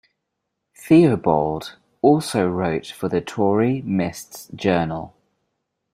Theobald also wrote for the Tory Mist's Journal.